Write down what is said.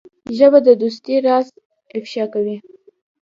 ژبه د دوستۍ راز افشا کوي